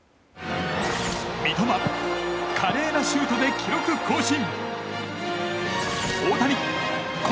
三笘、華麗なシュートで記録更新！